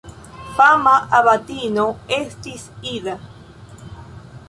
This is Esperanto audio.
Fama abatino estis Ida.